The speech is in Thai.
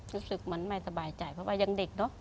รู้สึกเหมือนไม่สบายใจเพราะว่ายังเด็กเนอะ